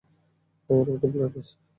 আমার একটা প্ল্যান আছে!